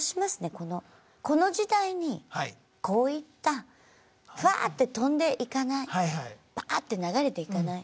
このこの時代にこういったフワーッて飛んでいかないバーッて流れていかない